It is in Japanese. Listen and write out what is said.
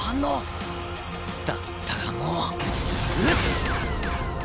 だったらもう撃つ！